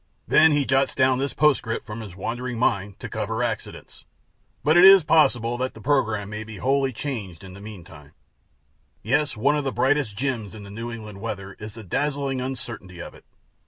Then he jots down this postscript from his wandering mind, to cover accidents: �But it is possible that the program may be wholly changed in the mean time.� Yes, one of the brightest gems in the New England weather is the dazzling uncertainty of it.